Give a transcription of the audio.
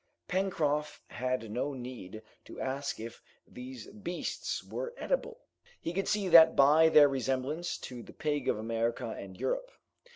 Pencroft had no need to ask if these beasts were eatable. He could see that by their resemblance to the pig of America and Europe.